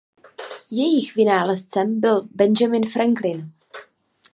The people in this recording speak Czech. Jejich vynálezcem byl Benjamin Franklin.